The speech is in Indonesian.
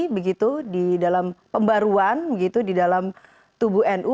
begitu di dalam pembaruan di dalam tubuh nu